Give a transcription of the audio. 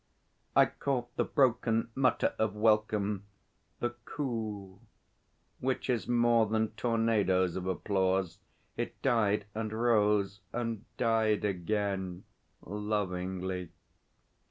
I caught the broken mutter of welcome the coo which is more than tornadoes of applause. It died and rose and died again lovingly.